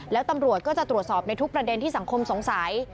แล้วตำรวจก็จะตรวจสอบในทุกประเด็นที่สังคมสงสัย